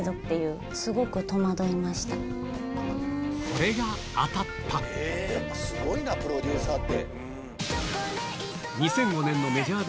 これまでのすごいなプロデューサーって。